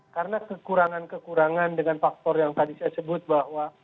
karena kekurangan kekurangan dengan faktor yang tadi saya sebut bahwa